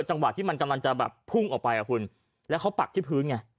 แต่จังหวะที่มันกำลังจะพุ่งออกไปแล้วเขาปักที่พื้นไง